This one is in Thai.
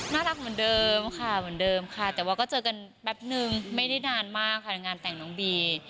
น่ารักเหมือนเดิมค่ะเหมือนเดิมค่ะแต่ว่าก็เจอกันแป๊บนึงไม่ได้นานมากค่ะในงานแต่งน้องบี